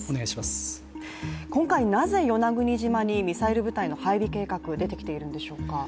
今回なぜ与那国島にミサイル部隊の配備計画が出てきているんでしょうか。